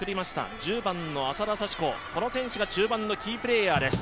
１０番の浅田幸子が中盤のキープレーヤーです。